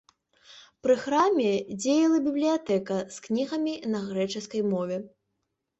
Пры храме дзеяла бібліятэка з кнігамі на грэчаскай мове.